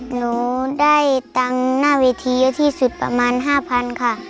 หนูได้ตังค์หน้าเวทีเยอะที่สุดประมาณ๕๐๐๐ค่ะ